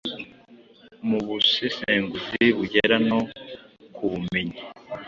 mu busesenguzi bugera no kubumenyi